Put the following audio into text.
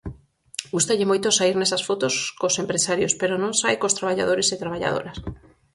Gústalle moito saír nesas fotos cos empresarios pero non sae cos traballadores e traballadoras.